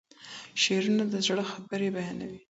شعرونه د زړه خبرې بيانوي.